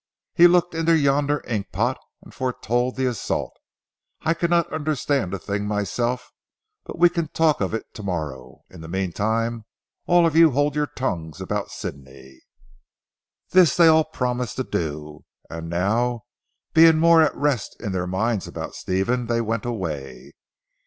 He looked into yonder ink pot and foretold the assault. I cannot understand the thing myself, but we can talk of it to morrow. In the meantime, all of you hold your tongues about Sidney." This they all promised to do and now being more at rest in their minds about Stephen, they went away.